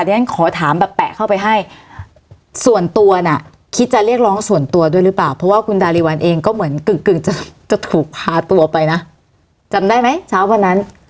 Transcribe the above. เดี๋ยวฉันขอถามแบบแปะเข้าไปให้ส่วนตัวน่ะคิดจะเรียกร้องส่วนตัวด้วยหรือเปล่าเพราะว่าคุณดาริวัลเองก็เหมือนกึ่งกึ่งจะถูกพาตัวไปนะจำได้ไหมเช้าวันนั้น